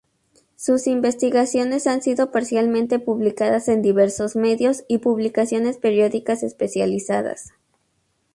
Sus investigaciones han sido parcialmente publicadas en diversos medios, y publicaciones periódicas especializadas.